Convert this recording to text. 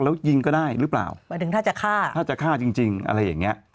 แล้วยิงก็ได้หรือเปล่าถ้าจะฆ่าจริงอะไรอย่างนี้